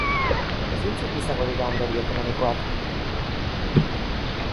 Zeintzuk izango dira ondorio ekonomikoak?